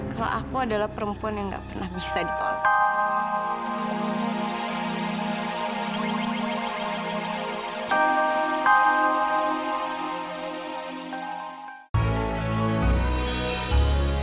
kalau aku adalah perempuan yang gak pernah bisa ditolak